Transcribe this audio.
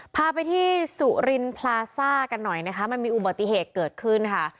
พาไปที่สุรินพลาซ่ากันหน่อยนะคะมันมีอุบัติเหตุเกิดขึ้นค่ะ